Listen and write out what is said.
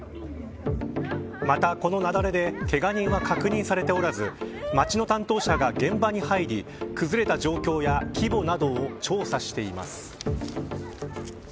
また、この雪崩でけが人は確認されておらず町の担当者が現場に入り崩れた状況や規模などを調査しています。